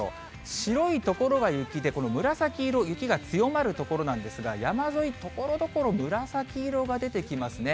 白い所が雪で、この紫色、雪が強まる所なんですが、山沿い、ところどころ、紫色が出てきますね。